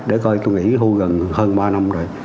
để coi tôi nghĩ thu gần hơn ba năm rồi